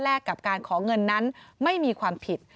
กับการขอเงินนั้นไม่มีความผิด